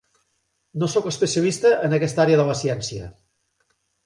No soc especialista en aquesta àrea de la ciència.